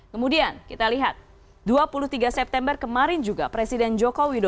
kemudian kita lihat dua puluh tiga september kemarin juga presiden joko widodo